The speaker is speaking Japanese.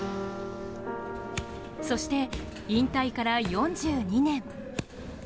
そして、引退から４２年。